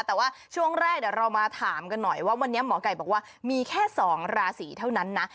แต่ว่าช่วงแรกเดี๋ยวเรามาถามกันหน่อยว่าวันนี้หมอไก่บอกว่ามีแค่๒ราศีเท่านั้นนะ